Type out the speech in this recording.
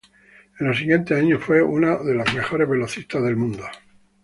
En los siguientes años fue una de las mejores velocistas del mundo.